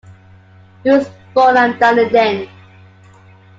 He was born at Dunedin.